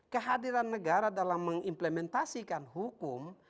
kehadiran negara dalam mengimplementasikan hukum